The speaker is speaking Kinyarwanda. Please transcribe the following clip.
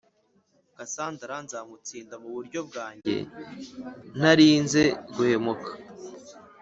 Kassandra nzamutsinda mu buryo bwanjye ntarinze guhemuka